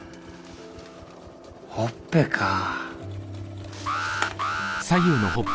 ほっぺかあ。